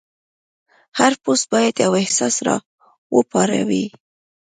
هر پوسټ باید یو احساس راوپاروي.